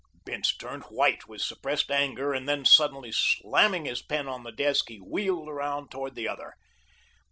Bince turned white with suppressed anger, and then suddenly slamming his pen on the desk, he wheeled around toward the other.